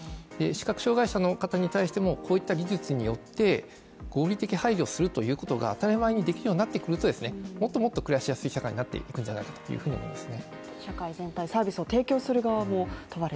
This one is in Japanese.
視覚障害者の方に対しても、こういった技術によって、合理的配慮するということが当たり前にできるようになってくるとですね、もっともっと暮らしやすい社会になっていくんじゃないかというふうに思いますね。